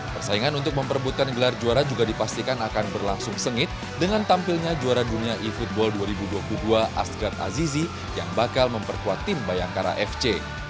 persaingan untuk memperbutkan gelar juara juga dipastikan akan berlangsung sengit dengan tampilnya juara dunia e football dua ribu dua puluh dua asgard azizi yang bakal memperkuat tim bayangkara fc